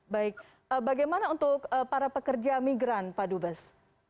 baik bagaimana untuk para pekerja migran pak dubes